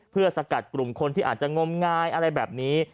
เพื่อสกัดกลุ่มคนที่อาจจะงมงายอะไรแบบนี้